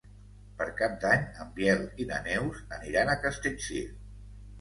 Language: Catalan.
Per Cap d'Any en Biel i na Neus aniran a Castellcir.